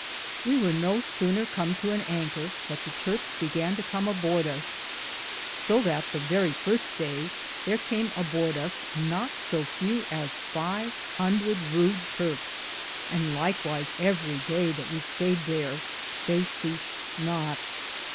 We weare no sowner come to an anker but the Turkes began to com aborde us, so that the verie firste day thar came abord us not so few as five hundrethe Rude Turkes, and lykwyse everie day that we stayed thare they seased not.